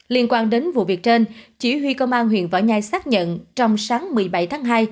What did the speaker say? liên quan đến vụ việc trên chỉ huy công an huyện võ nhai xác nhận trong sáng một mươi bảy tháng hai